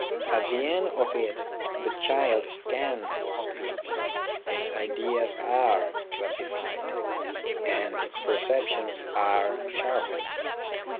At the end of it the child can speak, its ideas are classified, and its perceptions are sharpened.